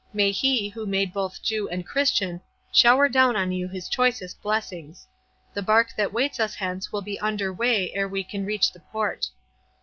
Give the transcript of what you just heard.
"May He, who made both Jew and Christian, shower down on you his choicest blessings! The bark that waits us hence will be under weigh ere we can reach the port."